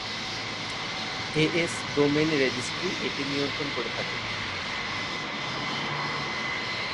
As domain registry এটি নিয়ন্ত্রণ করে থাকে।